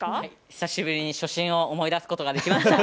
久しぶりに初心を思い出すことができました。